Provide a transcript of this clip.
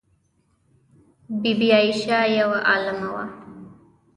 بی بي عایشه یوه عالمه وه.